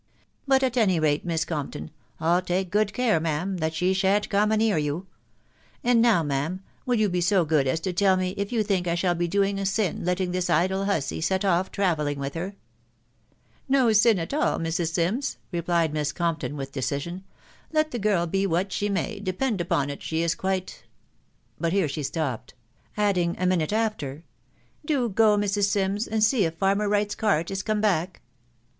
But at any rate, Miss Compton, I'll take good care, ma'am, that she shan't come a near you. And now, ma'am, will you be so good as to tell me if you think I shall be doing a sin letting this idle hussy set off travelling with her ?"" No sin at all, Mrs. Sims," replied Miss Compton with decision. u Let the girl be what she may, depend upon it she is quite ...." but here she stopped ; adding a minute after, " Do go, Mrs. Sims, and see if farmer Wright's cart is come back."